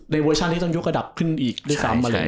ในเวอร์ชั่นที่ต้องยุคระดับขึ้นอีกด้วยซ้ำมาอย่างเงี้ย